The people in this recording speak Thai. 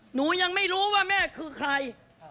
หนูยังไม่รู้ว่าแม่คือใคร